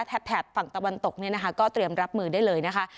แถบฝั่งตะวันตกเนี่ยนะคะก็เตรียมรับมือได้เลยนะคะ